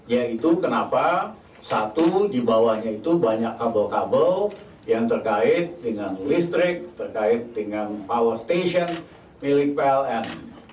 yaitu kenapa satu di bawahnya itu banyak kabel kabel yang terkait dengan listrik terkait dengan power station milik pln